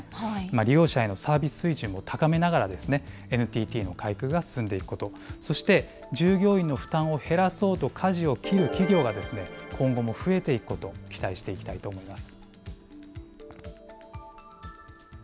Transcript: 利用者へのサービス水準も高めながら、ＮＴＴの改革が進んでいくこと、そして、従業員の負担を減らそうとかじを切る企業が今後も増えていくこと、期待していきたいと思います。